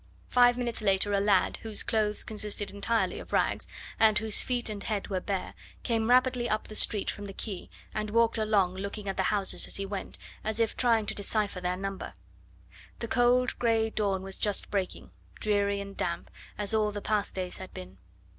Five minutes later a lad, whose clothes consisted entirely of rags, and whose feet and head were bare, came rapidly up the street from the quay, and walked along looking at the houses as he went, as if trying to decipher their number. The cold grey dawn was just breaking, dreary and damp, as all the past days had been.